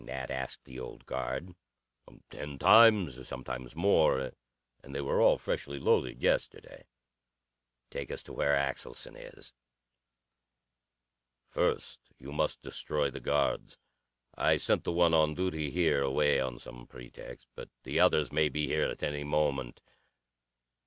Nat asked the old guard. "Ten times; sometimes more; and they were all freshly loaded yesterday." "Take us to where Axelson is." "First you must destroy the guards. I sent the one on duty here away on some pretext. But the others may be here at any moment.